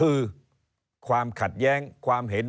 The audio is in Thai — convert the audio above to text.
เริ่มตั้งแต่หาเสียงสมัครลง